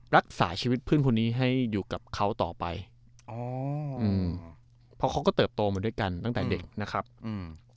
รักษาชีวิตเพื่อนคนนี้ให้อยู่กับเขาต่อไปอ๋ออืมเพราะเขาก็เติบโตมาด้วยกันตั้งแต่เด็กนะครับอืม